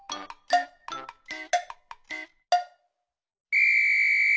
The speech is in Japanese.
ピッ！